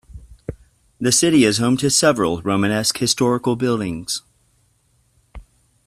The city is home to several Romanesque historical buildings.